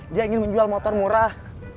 dia ingin menjual motor murah